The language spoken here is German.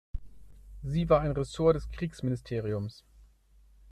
Sie war ein Ressort des Kriegsministeriums.